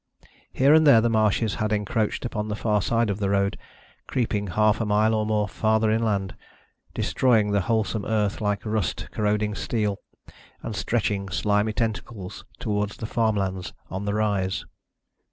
Here and there the marshes had encroached upon the far side of the road, creeping half a mile or more farther inland, destroying the wholesome earth like rust corroding steel, and stretching slimy tentacles towards the farmlands on the rise.